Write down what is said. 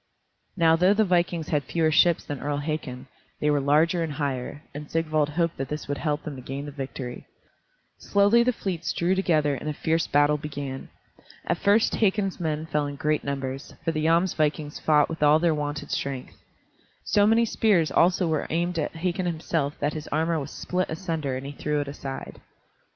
Now though the vikings had fewer ships than Earl Hakon, they were larger and higher, and Sigvald hoped that this would help them to gain the victory. Slowly the fleets drew together and a fierce battle began. At first Hakon's men fell in great numbers, for the Jomsvikings fought with all their wonted strength. So many spears also were aimed at Hakon himself that his armor was split asunder and he threw it aside.